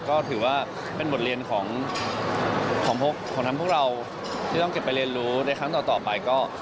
ก็ถือว่าเป็นบทเรียนของทั้งพวกเราที่ต้องเก็บไปเรียนรู้ในครั้งต่อไปก็